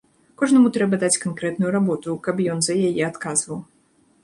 Кожнаму трэба даць канкрэтную работу, каб ён за яе адказваў.